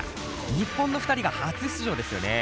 日本の２人が初出場ですよね？